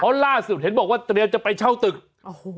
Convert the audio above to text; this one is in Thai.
เพราะล่าสุดเห็นบอกว่าเตรียมจะไปเช่าตึกโอ้โห